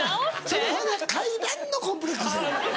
それはな階段のコンプレックスや。